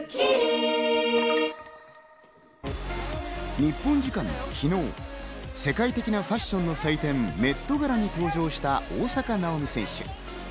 日本時間昨日、世界的なファッションの祭典・メットガラに登場した大坂なおみ選手。